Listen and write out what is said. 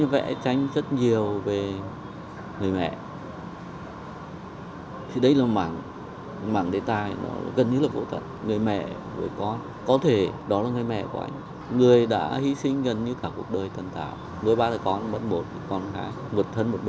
vẫn một con hải một thân một mình